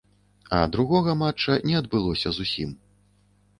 А другога матча не адбылося зусім.